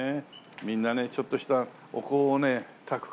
みんなねちょっとしたお香をねたくからね。